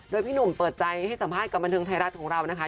โดยพี่หนุ่มเปิดใจให้สัมภาษณ์กับบันเทิงไทยรัฐของเรานะคะ